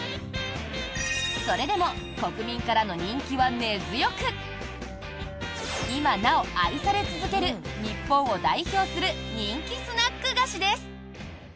それでも国民からの人気は根強く今なお愛され続ける日本を代表する人気スナック菓子です。